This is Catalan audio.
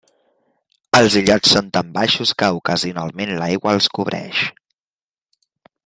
Els illots són tan baixos que ocasionalment l'aigua els cobreix.